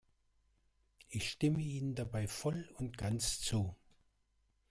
Ich stimme Ihnen dabei voll und ganz zu.